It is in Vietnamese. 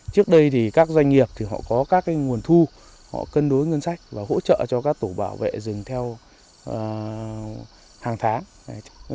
trước đây thì các doanh nghiệp thì họ có các nguồn thu họ cân đối ngân sách và hỗ trợ cho các tổ bảo vệ rừng theo hàng tháng